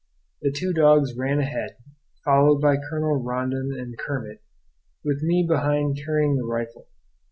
The two dogs ran ahead, followed by Colonel Rondon and Kermit, with me behind carrying the rifle.